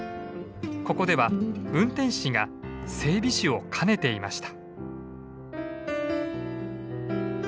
ここでは運転士が整備士を兼ねていました。